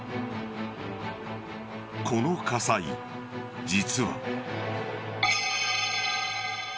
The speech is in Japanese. この火災、実は。